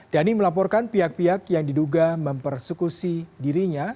dhani melaporkan pihak pihak yang diduga mempersekusi dirinya